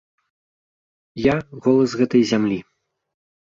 Я голас гэтай зямлі.